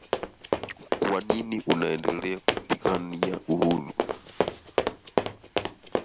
Others are confederations or even unions of tribes.